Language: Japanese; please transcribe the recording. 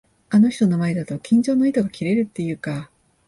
あの人の前だと、緊張の糸が切れるっていうか。